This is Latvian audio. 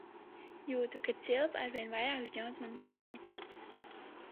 "Jūtu, ka "cilpa" arvien vairāk žņaudz manu kaklu."